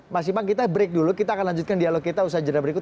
mas ibang kita break dulu kita akan lanjutkan dialog kita usai jeda berikut